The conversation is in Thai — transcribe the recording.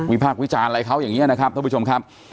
พากษ์วิจารณ์อะไรเขาอย่างนี้นะครับท่านผู้ชมครับ